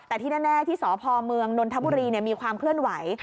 แต่ที่แน่ที่สพเมืองนนทบุรีมีความเคลื่อนไหว